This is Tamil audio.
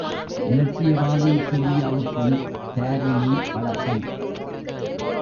இலட்சியவாதி சூர்யாவுக்கும் தாரிணி பழக்கம்!